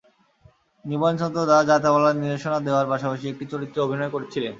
নিবারণ চন্দ্র দাস যাত্রাপালা নির্দেশনা দেওয়ার পাশাপাশি একটি চরিত্রে অভিনয় করছিলেন।